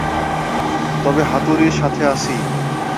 তবে হাতুড়ির সাথে আছি।